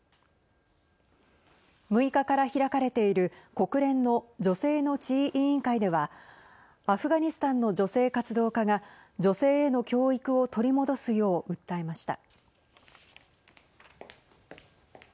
６日から開かれている国連の女性の地位委員会ではアフガニスタンの女性活動家が女性への教育を取り戻すよう訴えました。